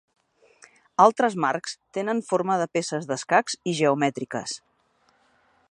Altres marcs tenen forma de peces d'escacs i geomètriques.